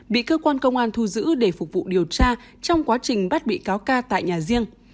bị cơ quan công an thu giữ để phục vụ điều tra trong quá trình bắt bị cáo ca tại nhà riêng